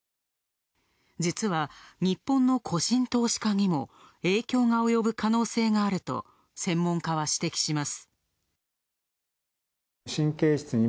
実は日本の個人投資家にも影響が及ぶ可能性があると専門家は指摘します。